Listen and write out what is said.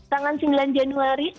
tanggal sembilan januari